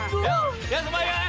bapak inget ya